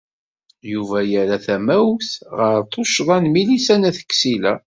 Yuba yerra tamawt ɣer tuccḍa n Milisa n At Ksila.